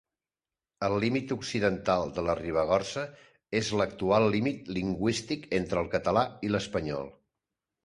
El límit occidental de la Ribagorça és l’actual límit lingüístic entre el català i l’espanyol.